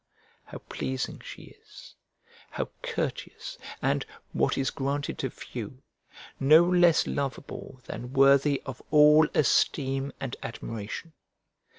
How pleasing she is, how courteous, and (what is granted to few) no less lovable than worthy of all esteem and admiration!